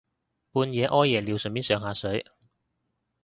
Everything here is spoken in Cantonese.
半夜屙夜尿順便上下水